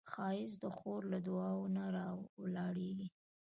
ښایست د خور له دعاوو نه راولاړیږي